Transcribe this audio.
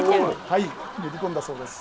はい練り込んだそうです。